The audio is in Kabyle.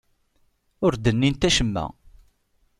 Ur d-nnint acemma.